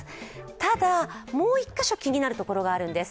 ただもう１か所、気になるところがあるんです。